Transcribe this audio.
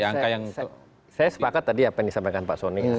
saya sepakat tadi apa yang disampaikan pak soni